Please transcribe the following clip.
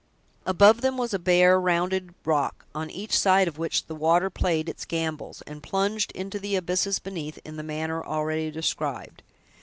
Above them was a bare, rounded rock, on each side of which the water played its gambols, and plunged into the abysses beneath, in the manner already described.